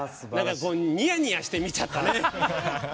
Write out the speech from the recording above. ニヤニヤして見ちゃったね。